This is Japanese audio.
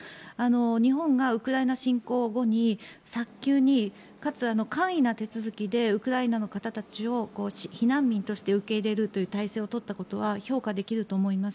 日本がウクライナ侵攻後に早急にかつ簡易な手続きでウクライナの方たちを避難民として受け入れる体制を取ったことは評価できると思います。